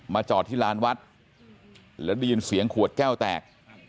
จอดที่ลานวัดแล้วได้ยินเสียงขวดแก้วแตก